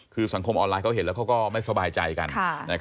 คือสังคมออนไลน์เขาเห็นแล้วเขาก็ไม่สบายใจกัน